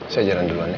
saya jalan dulu andi